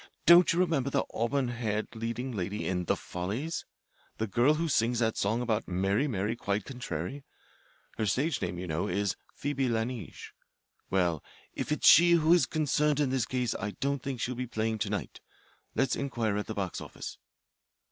Don't you remember the auburn haired leading lady in the 'Follies' the girl who sings that song about 'Mary, Mary, quite contrary'? Her stage name, you know, is Phoebe La Neige. Well, if it's she who is concerned in this case I don't think she'll be playing to night. Let's inquire at the box office."